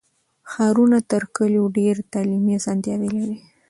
ښارونه تر کلیو ډېر تعلیمي اسانتیاوې لري.